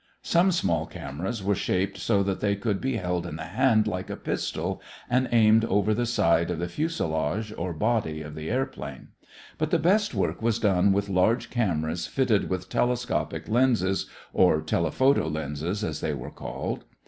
Some small cameras were shaped so that they could be held in the hand like a pistol and aimed over the side of the fuselage, or body, of the airplane; but the best work was done with large cameras fitted with telescopic lenses, or "telephoto" lenses, as they are called.